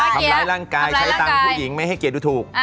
คำลายร่างกายใช้ตังค์ผู้หญิงไม่ให้เกลียดทูก